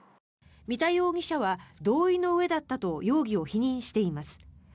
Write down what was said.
三田容疑者は同意のうえだったと容疑を否認しています。